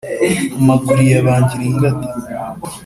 amaguru iyabangira ingata!